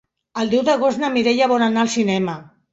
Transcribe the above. El deu d'agost na Mireia vol anar al cinema.